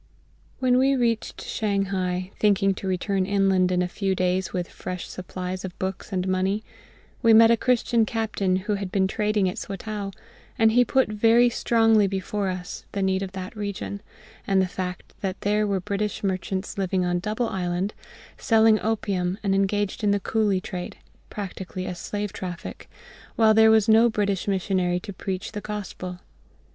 When we reached Shanghai, thinking to return inland in a few days with fresh supplies of books and money, we met a Christian captain who had been trading at Swatow, and he put very strongly before us the need of that region, and the fact that there were British merchants living on Double Island, selling opium and engaged in the coolie trade (practically a slave traffic), while there was no British missionary to preach the Gospel.